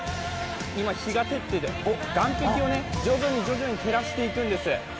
今、日が照っていて、岸壁を徐々に徐々に照らしていくんです。